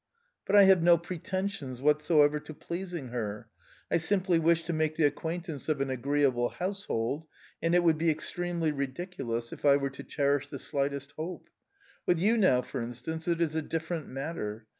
"But I have no pretensions whatsoever to pleasing her. I simply wish to make the acquaintance of an agreeable household; and it would be extremely ridiculous if I were to cherish the slightest hope... With you, now, for instance, it is a different matter!